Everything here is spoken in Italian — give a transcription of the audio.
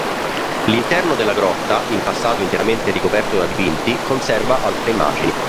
L'interno della grotta, in passato interamente ricoperto da dipinti, conserva altre immagini.